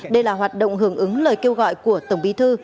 đây là hoạt động hưởng ứng lời kêu gọi của tổng bí thư